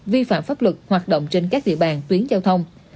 vi phạm pháp luật hoạt động trên các địa bàn tuyến giao thông